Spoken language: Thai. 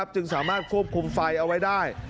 จึงสามารถควบคุมไฟเอาไว้ได้